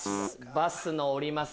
バスの降ります